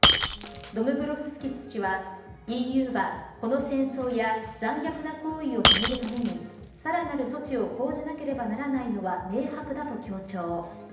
ドムブロフスキス氏はＥＵは、この戦争や残虐な行為を止めるためにさらなる措置を講じなければならないのは明白だと強調。